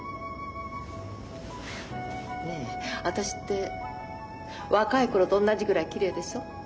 ねえ私って若い頃と同じぐらいきれいでしょ？